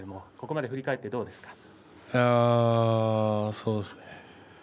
ここまで振り返っていかがですか。